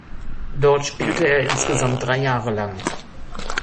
Dort spielte er insgesamt drei Jahre lang.